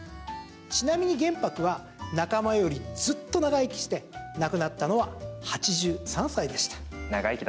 ちなみに玄白は仲間よりずっと長生きして亡くなったのは８３歳でした。